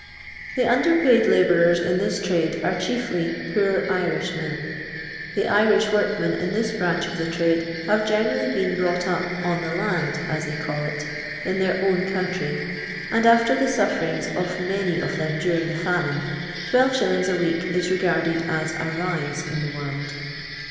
The under paid labourers in this trade are chiefly poor Irishmen. The Irish workmen in this branch of the trade have generally been brought up " on the land," as they call it, in their own country, and after the suiferiags of many of them during the famine, 12^. a week is regarded as " a rise in the world."